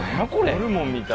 ホルモンみたい。